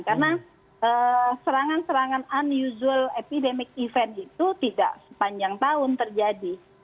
karena serangan serangan unusual epidemic event itu tidak sepanjang tahun terjadi